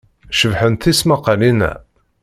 Cebḥent tesmaqqalin-a.